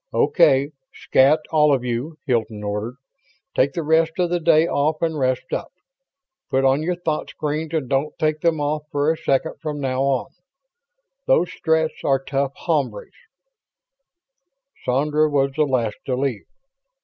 "Okay. Scat, all of you," Hilton ordered. "Take the rest of the day off and rest up. Put on your thought screens and don't take them off for a second from now on. Those Stretts are tough hombres." Sandra was the last to leave.